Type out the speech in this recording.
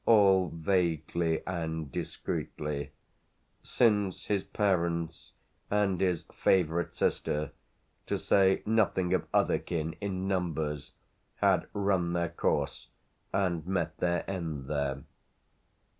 all vaguely and discreetly; since his parents and his favourite sister, to say nothing of other kin, in numbers, had run their course and met their end there.